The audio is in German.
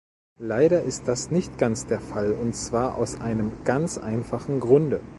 Leider ist das nicht ganz der Fall, und zwar aus einem ganz einfachen Grunde.